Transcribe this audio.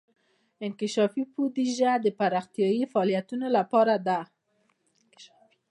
انکشافي بودیجه د پراختیايي فعالیتونو لپاره ده.